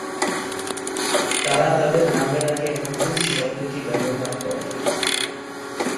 তারা তাদের নামের আগে হাফেজ শব্দটি ব্যবহার করে।